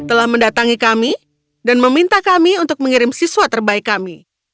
telah mendatangi kami dan meminta kami untuk mengirim siswa terbaik kami